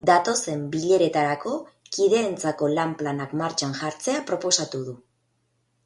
Datozen bileretarako, kideentzako lan-planak martxan jartzea proposatu du.